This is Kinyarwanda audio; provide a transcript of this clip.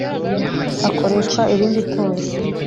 hakoreshwa irindi tora